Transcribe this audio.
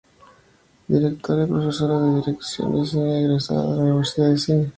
Directora y profesora de dirección de cine egresada de la Universidad del Cine.